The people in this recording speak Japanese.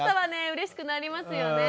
うれしくなりますよね。